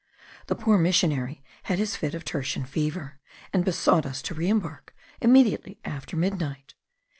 The poor missionary had his fit of tertian fever, and besought us to re embark immediately after midnight.